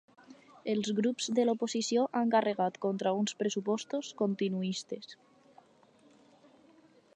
Els grups de l’oposició han carregat contra uns pressupostos ‘continuistes’.